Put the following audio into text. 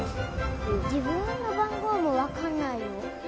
自分の番号もわからないよ。